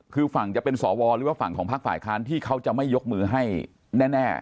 คือฝั่งจะเป็นสวหรือว่าฝั่งของภาคฝ่ายค้านที่เขาจะไม่ยกมือให้แน่